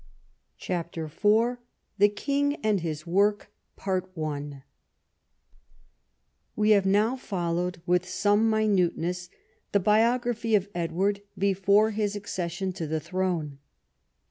CHAPTER IV THE KING AND HIS WORK We have now followed with some minuteness the bio graphy of Edward before his accession to the throne.